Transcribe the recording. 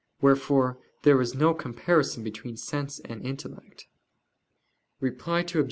Wherefore there is no comparison between sense and intellect. Reply Obj.